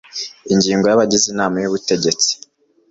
Ingingo ya Abagize Inama y Ubutegetsi